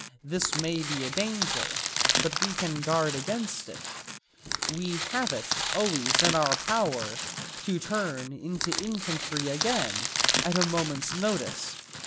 This may be a danger, but we can guard against it. We have it always in our power to turn into infantry again at a moment's notice.